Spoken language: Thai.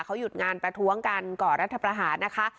เขาหยุดงานประท้วงกันก่อรัฐประหารนะคะ